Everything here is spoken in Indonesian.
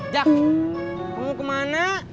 jak kamu kemana